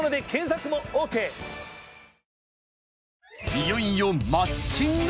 ［いよいよマッチング。